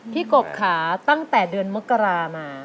กบค่ะตั้งแต่เดือนมกรามา